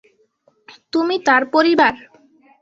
তুমি তার পরিবার।